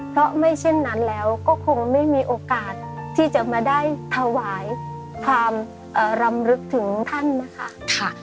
เพราะไม่เช่นนั้นแล้วก็คงไม่มีโอกาสที่จะมาได้ถวายความรำลึกถึงท่านนะคะ